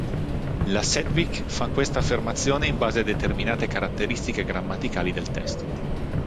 La Sedgwick fa questa affermazione in base a determinate caratteristiche grammaticali del testo.